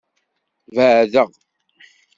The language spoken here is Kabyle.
Beɛdeɣ.